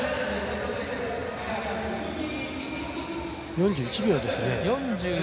４１秒ですね。